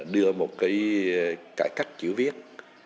đưa một cái cải cách chữ viết